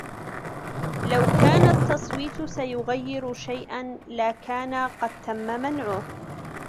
لو كان التصويت سيغير شيئا لكان قد تم منعه